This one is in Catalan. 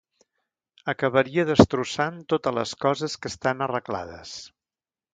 Acabaria destrossant totes les coses que estan arreglades.